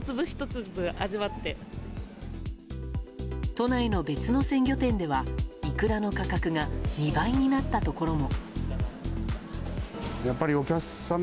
都内の別の鮮魚店ではイクラの価格が２倍になったところも。